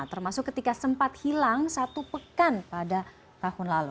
termasuk ketika sempat hilang satu pekan pada tahun lalu